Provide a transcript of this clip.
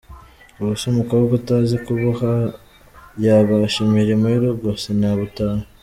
Ubuse umukobwa utazi kuboha yabasha imirimo y’urugo? Sinabutaha.